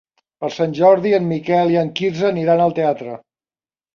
Per Sant Jordi en Miquel i en Quirze aniran al teatre.